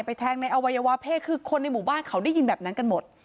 แทงในอวัยวะเพศคือคนในหมู่บ้านเขาได้ยินแบบนั้นกันหมด